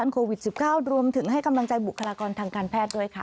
โควิด๑๙รวมถึงให้กำลังใจบุคลากรทางการแพทย์ด้วยค่ะ